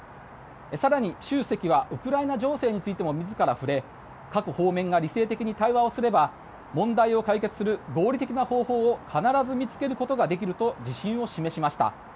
更に、習主席はウクライナ情勢についても自ら触れ各方面が理性的に対話すれば問題を解決する合理的な方法を必ず見つけることができると自信を示しました。